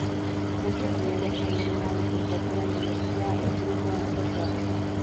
Muchas de ellas tenían una licenciatura en Biología, e incluso un posgrado.